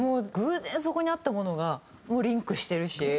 偶然そこにあったものがもうリンクしてるし。